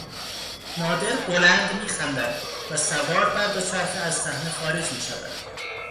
نادر بلند میخندد و سوار بر دوچرخه از صحنه خارج میشود